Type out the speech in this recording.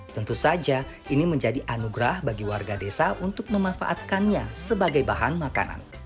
tentu saja ini menjadi anugerah bagi warga desa untuk memanfaatkannya sebagai bahan makanan